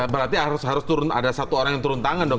berarti harus turun ada satu orang yang turun tangan dok